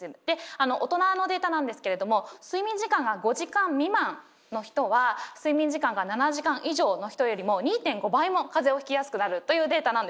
大人のデータなんですけれども睡眠時間が５時間未満の人は睡眠時間が７時間以上の人よりも２．５倍も風邪をひきやすくなるというデータなんですね。